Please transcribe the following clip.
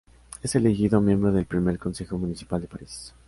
Es elegido miembro del primer consejo municipal de París.